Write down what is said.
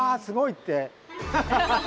すごいって。